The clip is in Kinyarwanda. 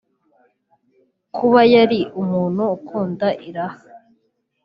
Kuba yari umuntu ukunda iraha